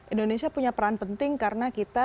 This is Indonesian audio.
indonesia punya peran penting karena kita